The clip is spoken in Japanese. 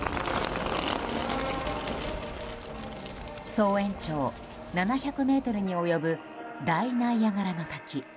総延長７００ｍに及ぶ大ナイアガラの滝。